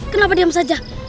kenapa diam saja